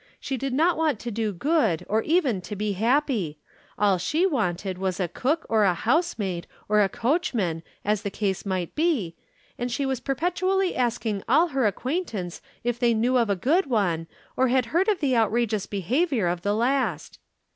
She did not want to do good or even to be happy. All she wanted was a cook or a housemaid or a coachman, as the case might be, and she was perpetually asking all her acquaintance if they knew of a good one, or had heard of the outrageous behavior of the last.